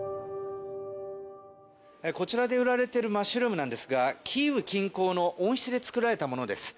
こちらで売られているマッシュルームなんですがキーウ近郊の温室で作られたものです。